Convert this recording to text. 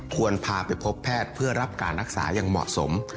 ควรพาไปพบแพทย์เพื่อรับการรักษาอย่างเหมาะสม